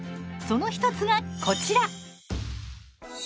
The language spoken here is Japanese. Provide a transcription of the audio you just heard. その１つがこちら。